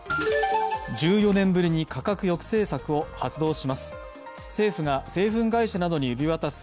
１４年ぶりに価格抑制策を発動します。